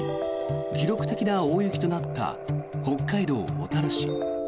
記録的な大雪となった北海道小樽市。